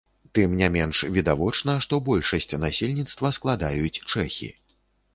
Тым не менш відавочна, што большасць насельніцтва складаюць чэхі.